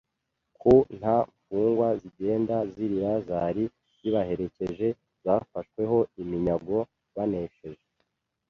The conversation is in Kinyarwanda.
ku Nta mfungwa zigenda zirira zari zibaherekeje zafashweho iminyago banesheje